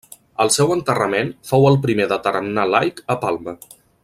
El seu enterrament fou el primer de tarannà laic a Palma.